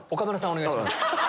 お願いします。